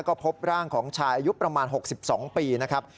ก็พบร่างของชายอายุประมาณ๖๒ปีนะครับ